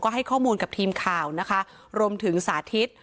ให้ข้อมูลกับทีมข่าวนะคะรวมถึงสาธิต